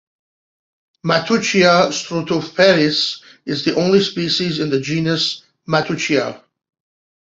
"Matteuccia struthiopteris" is the only species in the genus "Matteuccia".